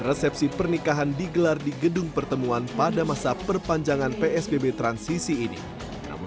resepsi pernikahan digelar di gedung pertemuan pada masa perpanjangan psbb transisi ini namun